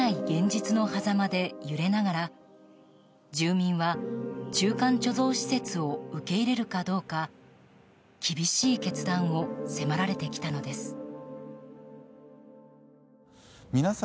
現実のはざまで揺れながら住民は中間貯蔵施設を受け入れるかどうか厳しい決断を迫られてきたのです。